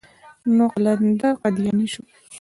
نو قلندر قادياني شو.